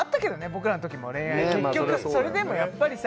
僕らの時も恋愛結局それでもやっぱりさ